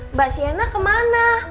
mbak sienna kemana